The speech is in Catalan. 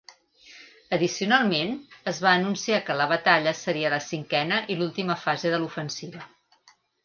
Addicionalment, es va anunciar que la batalla seria la cinquena i última fase de l'ofensiva.